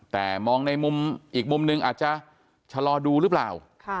แต่มองในมุมอีกมุมนึงอาจจะชะลอดูหรือเปล่า